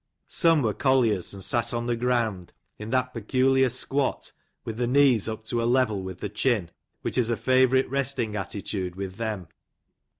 Some were colliers, and sat on the ground, in that peculiar squat, with the knees up to a level with the chin, which is a favourite resting attitude with them.